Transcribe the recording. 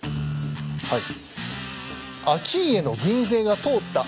はい。